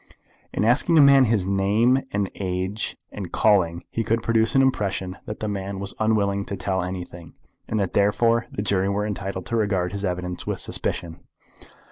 In asking a man his name, and age, and calling, he could produce an impression that the man was unwilling to tell anything, and that, therefore, the jury were entitled to regard his evidence with suspicion.